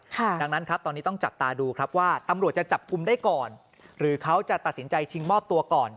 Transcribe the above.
ดังนั้นครับตอนนี้ต้องจับตาดูครับว่าตำรวจจะจับกลุ่มได้ก่อนหรือเขาจะตัดสินใจชิงมอบตัวก่อน